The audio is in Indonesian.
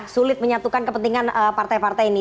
sulit menyatukan kepentingan partai partai ini